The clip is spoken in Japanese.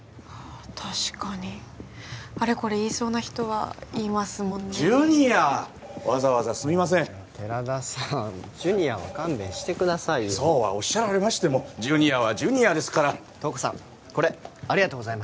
確かにあれこれ言いそうな人はいますもんねジュニアわざわざすみません寺田さんジュニアは勘弁してくださいよそうはおっしゃられましてもジュニアはジュニアですから瞳子さんこれありがとうございました